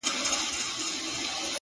• په دې پوهېږمه چي ستا د وجود سا به سم ـ